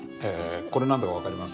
これ何だか分かります？